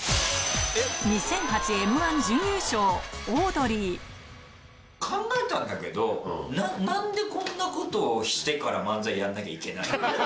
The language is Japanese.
２００８Ｍー１準優勝、考えたんだけど、なんでこんなことをしてから漫才やんなきゃいけないの？